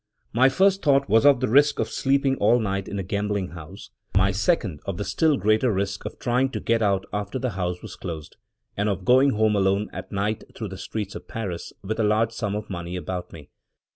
My first thought was of the risk of sleeping all night in a gambling house; my second, of the still greater risk of trying to get out after the house was closed, and of going home alone at night through the streets of Paris with a large sum of money about me.